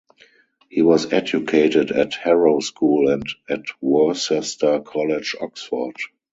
He was educated at Harrow School and at Worcester College, Oxford.